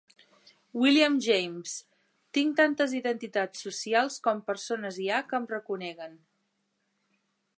William James: tinc tantes identitats socials com persones hi ha que em reconeguen.